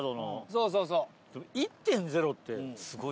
そうそうそう。